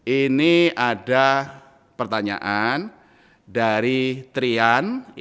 ini ada pertanyaan dari trian